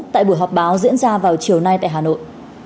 tại buổi họp báo diễn ra vào chiều nay tại hà nội